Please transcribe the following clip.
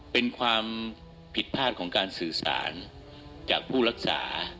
เป็นความผิดพลาดของการสื่อสารจากผู้รักษา